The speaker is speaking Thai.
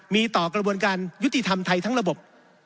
มีต่อกระบวนการยุติธรรมไทยทั้งระบบ